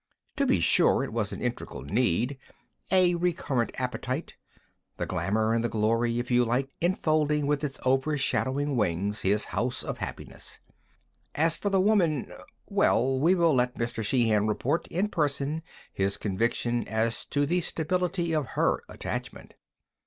To be sure it was an integral need, a recurrent appetite; the glamour and the glory, if you like, enfolding with its overshadowing wings his house of happiness. As for the woman well, we will let Mr. Sheehan report, in person, his conviction as to the stability of her attachment.